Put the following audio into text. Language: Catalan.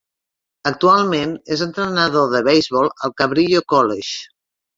Actualment és entrenador de beisbol al Cabrillo College.